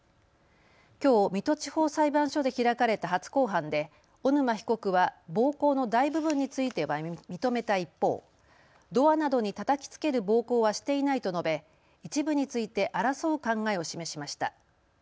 きょう水戸地方裁判所で開かれた初公判で小沼被告は暴行の大部分については認めた一方、ドアなどにたたきつける暴行はしていないと述べ、一部について争う考えを示しました。